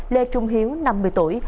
lê trung hiếu năm mươi tuổi